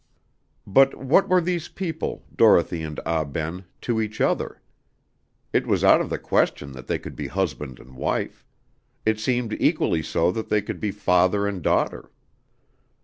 But what were these people, Dorothy and Ah Ben, to each other? It was out of the question that they could be husband and wife it seemed equally so that they could be father and daughter.